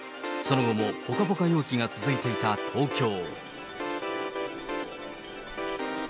その後もぽかぽか陽気が続いていた東京。